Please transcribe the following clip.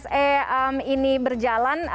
satu tahun kurang lebih chse ini berjalan